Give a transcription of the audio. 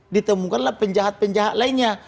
ditemukanlah penjahat penjahat lainnya